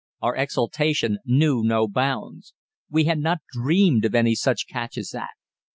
Our exultation knew no bounds. We had not dreamed of any such catch as that.